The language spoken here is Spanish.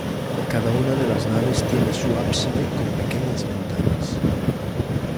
Cada una de las naves tiene su ábside con pequeñas ventanas.